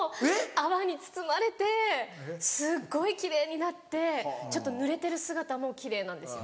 泡に包まれてすっごい奇麗になってちょっとぬれてる姿も奇麗なんです。